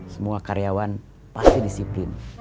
semua karyawan pasti disiplin